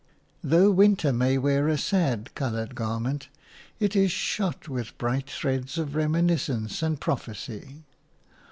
Though winter may wear a sad coloured garment, it is shot with bright threads of reminiscence and prophecy.